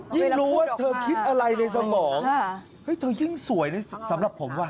ยิ่งรู้ว่าเธอคิดอะไรในสมองเธอยิ่งสวยสำหรับผมว่ะ